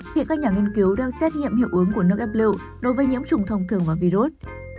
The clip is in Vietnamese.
hiện các nhà nghiên cứu đang xét nghiệm hiệu ứng của nước ép lưu đối với nhiễm trùng thông thường và virus